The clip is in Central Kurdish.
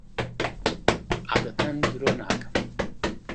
عادەتەن درۆ ناکەم.